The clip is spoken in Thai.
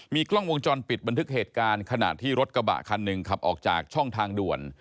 กล้องวงจรปิดบันทึกเหตุการณ์ขณะที่รถกระบะคันหนึ่งขับออกจากช่องทางด่วน